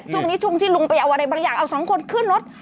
ช่วงนี้ช่วงที่ลุงไปเอาอะไรบางอย่างเอาสองคนขึ้นรถ